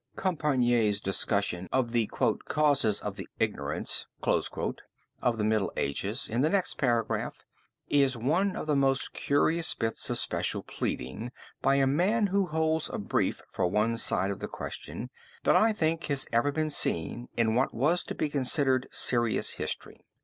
Compayré's discussion of the "Causes of the Ignorance" of the Middle Ages in the next paragraph, is one of the most curious bits of special pleading by a man who holds a brief for one side of the question, that I think has ever been seen in what was to be considered serious history.